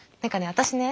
私ね